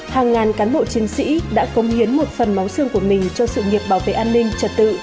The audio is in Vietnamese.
hàng ngàn cán bộ chiến sĩ đã công hiến một phần máu xương của mình cho sự nghiệp bảo vệ an ninh trật tự